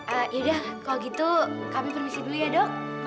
eh yaudah kalau gitu kami permisi dulu ya dok